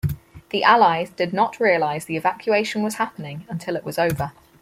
The Allies did not realize the evacuation was happening until it was over.